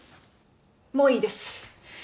もういいです！